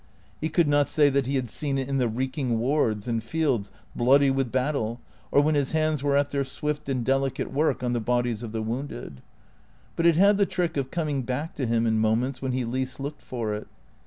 He could not say that he had seen it in the reeking wards, and fields bloody with battle, or when his hands were at their swift and delicate work on the bodies of the wounded. But it had the trick of coming back to him in moments when he least looked for it.